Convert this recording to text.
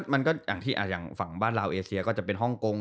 มันก็อย่างที่ฝั่งบ้านราวเอเฮียก็จะเป็นฮองโครง